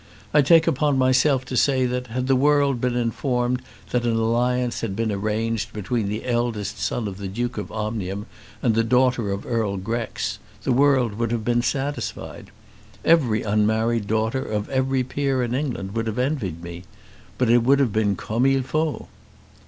I take upon myself to say that, had the world been informed that an alliance had been arranged between the eldest son of the Duke of Omnium and the daughter of Earl Grex, the world would have been satisfied. Every unmarried daughter of every peer in England would have envied me, but it would have been comme il faut."